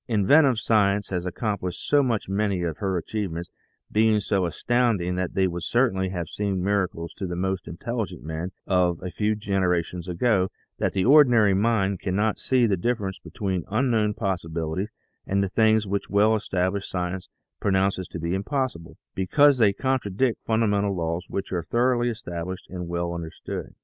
Inventive science has accomplished so much many of her achievements being so astounding that they would certainly have seemed miracles to the most intelligent men of a few generations ago that the ordinary mind cannot see the difference be tween unknown possibilities and those things which well established science pronounces to be impossible, because they contradict fundamental laws which are thoroughly established and well understood.